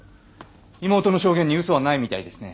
妹の証言に嘘はないみたいですね。